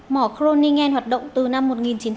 mỏ kroningen hoạt động từ năm một nghìn chín trăm sáu mươi năm